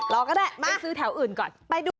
รอก็ได้มาไปซื้อแถวอื่นก่อน